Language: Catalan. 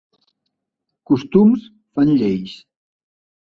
Costums fan lleis.